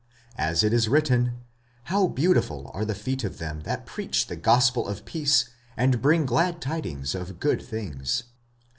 as it is written, How beautiful are the feet of them that preach the gospel of peace, and bring glad tidings of good things!